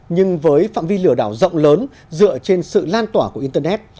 nhưng với phạm vi lừa đảo rộng lớn dựa trên sự lan tỏa của internet